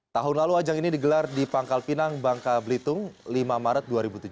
tahun lalu ajang ini digelar di pangkal pinang bangka belitung lima maret dua ribu tujuh belas